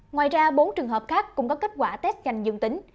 ngoài ra bốn trường hợp khác cũng có kết quả test nhanh dương tính